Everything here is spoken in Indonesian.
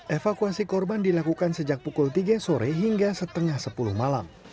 evakuasi korban dilakukan sejak pukul tiga sore hingga setengah sepuluh malam